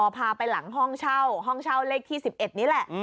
พาไปหลังห้องเช่าห้องเช่าเลขที่๑๑นี่แหละ